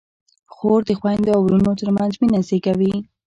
خور د خویندو او وروڼو ترمنځ مینه زېږوي.